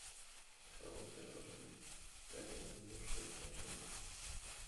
Ez dago enperadore honen jarduerari buruzko informazio handirik.